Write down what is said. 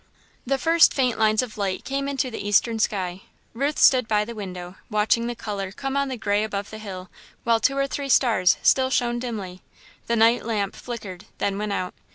The first faint lines of light came into the eastern sky. Ruth stood by the window, watching the colour come on the grey above the hill, while two or three stars still shone dimly. The night lamp flickered, then went out.